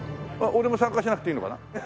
俺も参加しなくていいのかな？